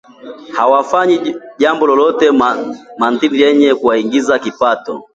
Hawatafanya jambo lolote mathalani lenye kuwaingizia kipato